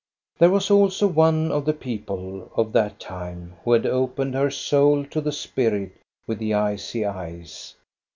There was also one of the people of that time who had opened her soul to the spirit with the icy eyes.